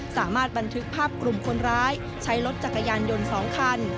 สามารถบันทึกภาพกลุ่มคนร้ายใช้รถจักรยานยนต์๒คัน